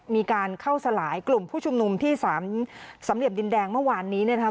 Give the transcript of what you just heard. มีการเข้าสลายกลุ่มผู้ชุมนุมที่สามสำเหลี่ยมดินแดงเมื่อวานนี้นะครับ